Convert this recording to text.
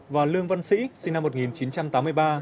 và lương văn sĩ sinh năm một nghìn chín trăm tám mươi ba